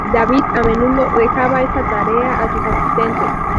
David a menudo dejaba esta tarea a sus asistentes.